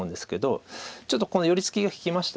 ちょっとこの寄り付きが利きました。